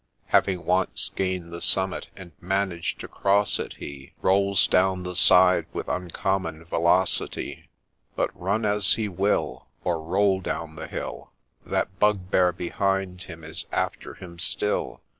•LOOK AT THE CLOCK1 37 Having once gained the summit, and managed to cross it, he Rolls down the side with uncommon velocity ; But, run as he will, Or roll down the hill, That bugbear behind him is after him still